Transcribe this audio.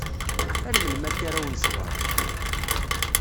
Ar melmi akka ara wen-ṣebreɣ?